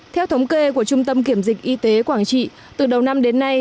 theo thống kê của trung tâm kiểm dịch y tế quảng trị từ đầu năm đến nay